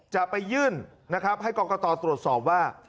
จะไปยื่นนะครับให้กรกตตรวจสอบว่า